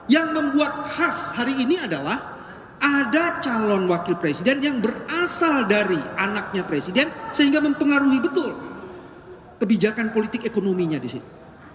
yang membuat khas hari ini adalah ada calon wakil presiden yang berasal dari anaknya presiden sehingga mempengaruhi betul kebijakan politik ekonominya di situ